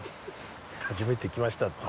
初めて来ましたっていう。